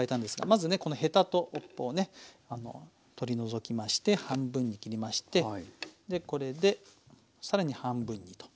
まずねこのヘタと尾っぽをね取り除きまして半分に切りましてでこれで更に半分にと。